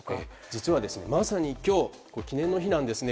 実は、まさに今日記念の日なんですね。